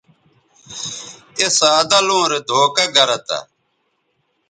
اے سادہ لوں رے دھوکہ گرہ تھہ